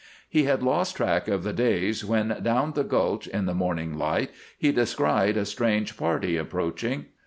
He had lost track of the days when, down the gulch, in the morning light, he descried a strange party approaching.